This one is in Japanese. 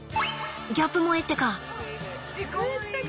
ギャップ萌えってか。